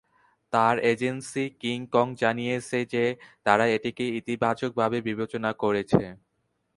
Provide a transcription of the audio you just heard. তার agency King Kong জানিয়েছে যে তারা এটিকে ইতিবাচকভাবে বিবেচনা করছে।